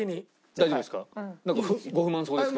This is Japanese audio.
大丈夫ですか？